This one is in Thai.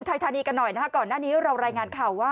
ไทยธานีกันหน่อยนะคะก่อนหน้านี้เรารายงานข่าวว่า